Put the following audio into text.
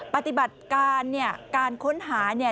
ปฏิบัติการเนี่ยการค้นหาเนี่ย